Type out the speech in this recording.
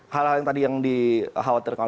hal hal yang tadi yang dikhawatirkan